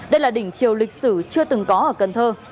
đây là đỉnh chiều lịch sử chưa từng có ở cần thơ